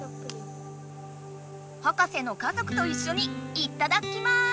ハカセの家ぞくといっしょにいただきます！